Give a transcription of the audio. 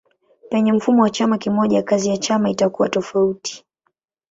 Penye mfumo wa chama kimoja kazi ya chama itakuwa tofauti.